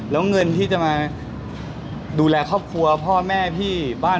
แล้วเงินที่จะมา